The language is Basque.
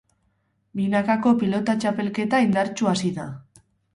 Binakako pilota txapelketa indartsu hasi da.